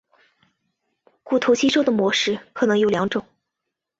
骨头吸收的模式可能有两种。